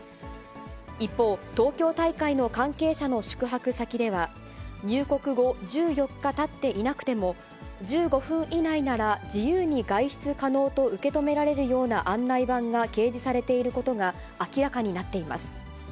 一方、東京大会の関係者の宿泊先では、入国後１４日たっていなくても、１５分以内なら自由に外出可能と受け止められるような案内板が掲示されていることが明らかになっています。